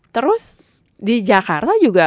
terus di jakarta juga